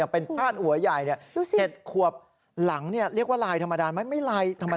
เป็นพาดหัวใหญ่๗ขวบหลังเรียกว่าลายธรรมดาไหมไม่ลายธรรมดา